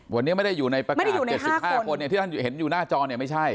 วันนี้ไม่ได้อยู่ในประกาศ๗๕คนที่ท่านเห็นอยู่หน้าจอเนี่ยไม่ใช่